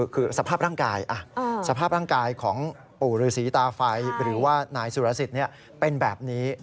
คือสภาพร่างกายสภาพร่างกายของปู่ฤษีตาไฟหรือว่านายสุรสิทธิ์เป็นแบบนี้